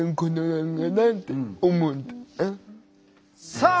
さあ